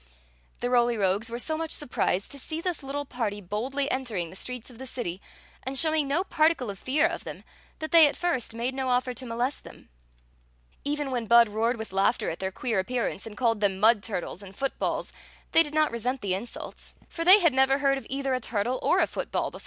The Roly Rogues were so much surprised to see this little party boldly entering the streets of the city, and showing no particle of fear of them, that they at first made no offer to molest them. Queen Zixi of Ix ; or, the Even when Bud roared with laughter at their queer appearance, and called them " mud turtles " and " foot balls," they did not resent the insults; for they had never heard of either a turde or a foot ball before.